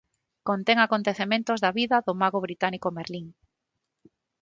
Contén acontecementos da vida do mago británico Merlín.